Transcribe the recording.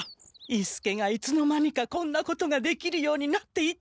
伊助がいつの間にかこんなことができるようになっていたなんて。